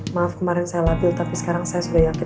maaf kemarin saya labil tapi sekarang saya sudah yakin